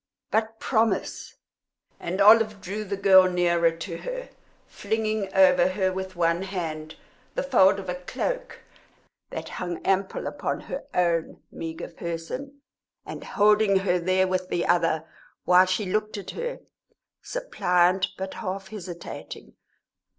But promise." And Olive drew the girl nearer to her, flinging over her with one hand the fold of a cloak that hung ample upon her own meagre person, and holding her there with the other, while she looked at her, suppliant but half hesitating.